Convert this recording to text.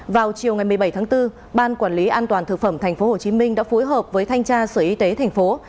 vào chiều ngày một mươi bảy tháng bốn ban quản lý an toàn thực phẩm tp hcm đã phối hợp với thanh tra sở y tế tp